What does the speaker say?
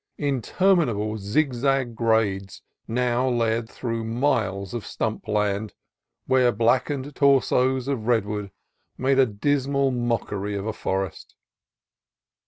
Interminable zigzag grades now led through miles of stump land, where blackened torsos of redwood made a dismal mockery of a forest.